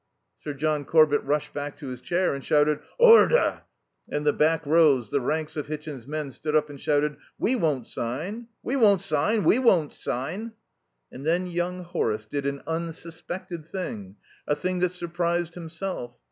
Sir John Corbett rushed back to his chair and shouted "Ordah!" and the back rows, the ranks of Hitchin's men, stood up and shouted, "We won't sign!" "We won't sign!" "We won't sign!" And then young Horace did an unsuspected thing, a thing that surprised himself.